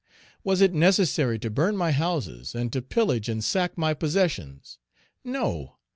Was it necessary to burn my houses, and to pillage and sack my possessions? No.